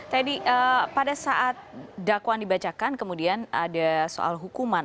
teddy pada saat dakwaan dibacakan kemudian ada soal hukuman